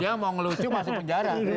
dia mau ngelucu masuk penjara